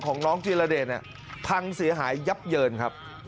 ของน้องธีรเดชพังเสียหายยับเยินครับ